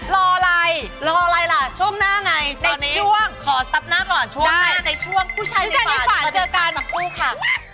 รออะไรล่ะช่วงหน้าไงในช่วงขอซับหน้าก่อนช่วงหน้าในช่วงผู้ชายในฝันเจอกันหัวหน้าคู่ค่ะ